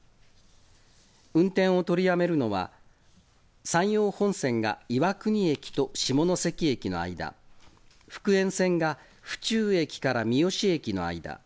運転を取りやめるのは、山陽本線が岩国駅と下関駅の間、福塩線が府中駅から三次駅の間。